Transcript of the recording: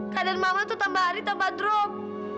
keadaan mama tuh tambah hari tambah drop